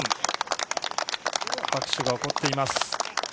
拍手が起こっています。